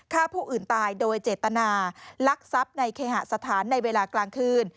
ฆ่าผู้อื่นตายโดยเจตนาลักทรัพย์ในเคหสถานในเวลากลางคืน